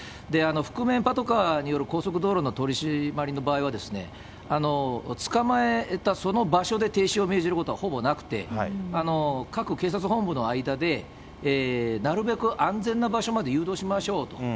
覆面パトカーによる高速道路の取締りの場合は、捕まえたその場所で停止を命じることはほぼなくて、各警察本部の間で、なるべく安全な場所まで誘導しましょう。